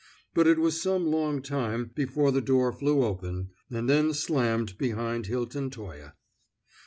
But it was some long time before the door flew open, and then slammed behind Hilton Toye.